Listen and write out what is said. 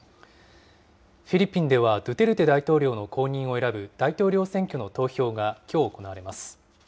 フィリピンではドゥテルテ大統領の後任を選ぶ大統領選挙の投票がきょう行われます。